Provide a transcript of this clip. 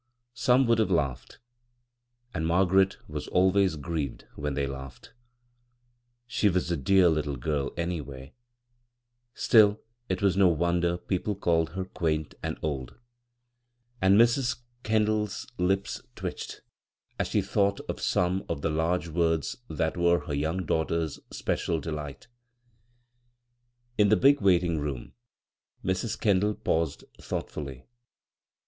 Some would have laughed — and Margaret was always grieved when they laughed. She was a dear little girl, anyway ; still, it was no wonder people called her "quaint" and "dd" ; and Mrs. Kendall's lips twitched as bvGoog[c CROSS CURRENTS she thought of some of the large vords that were her young daughter's special delight In the big waiting room Mrs. Kendall paused thoughtfully.